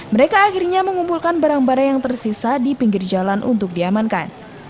mereka akhirnya mengumpulkan barang barang yang tersisa di pinggir jalan untuk diamankan